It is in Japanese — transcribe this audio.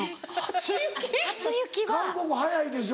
韓国早いでしょ。